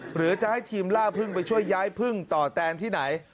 หรือจะให้ทีมล่าพึ่งไปช่วยย้ายพึ่งต่อแตนที่ไหน